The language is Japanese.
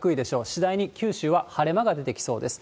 次第に九州は晴れ間が出てきそうです。